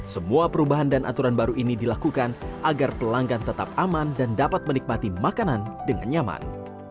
semua perubahan dan aturan baru ini dilakukan agar pelanggan tetap aman dan dapat menikmati makanan dengan nyaman